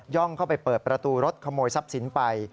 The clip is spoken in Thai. ่องเข้าไปเปิดประตูรถขโมยทรัพย์สินไป